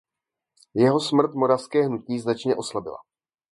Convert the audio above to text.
Jeho smrt moravské hnutí značně oslabila.